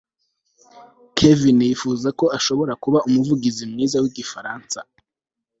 kevin yifuza ko ashobora kuba umuvugizi mwiza wigifaransa